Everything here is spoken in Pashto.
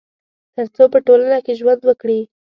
تر څو په ټولنه کي ژوند وکړي